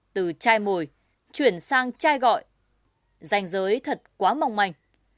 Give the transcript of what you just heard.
từ chai mồi chuyển sang trai gọi danh giới thật quá mong manh